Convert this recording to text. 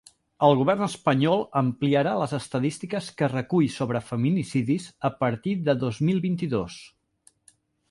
El govern espanyol ampliarà les estadístiques que recull sobre feminicidis a partir de dos mil vint-i-dos.